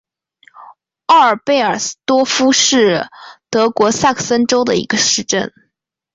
奥尔贝尔斯多夫是德国萨克森州的一个市镇。